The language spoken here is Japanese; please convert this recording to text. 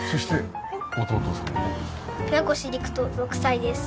船越陸斗６歳です。